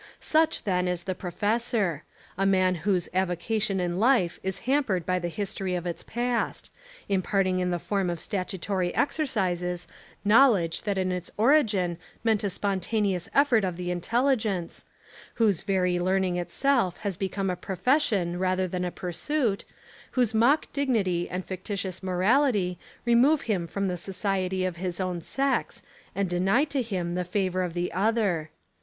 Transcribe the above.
Such then is the professor; a man whose avo cation in life is hampered by the history of its past: imparting in the form of statutory exer cises knowledge that in its origin meant a spon taneous effort of the intelligence, whose very learning itself has become a profession rather than a pursuit, whose mock dignity and ficti tious morality remove him from the society of his own sex and deny to him the favour of the other.